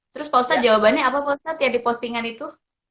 terus pak ustadz jawabannya apa di postingan itu